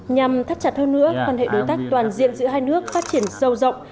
nhằm thắt chặt hơn nữa quan hệ đối tác toàn diện giữa hai nước phát triển sâu rộng